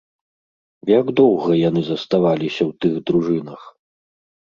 Як доўга яны заставаліся ў тых дружынах?